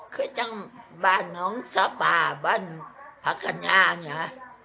เคยจังบ้านน้องซับป่าบ้านพระกัญญาเนี่ย